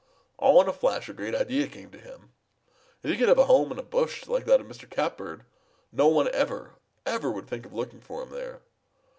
All in a flash a great idea came to him. If he could have a home in a bush like that of Mr. Catbird, no one ever, ever would think of looking for him there!